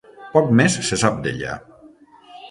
Poc més se sap d'ella.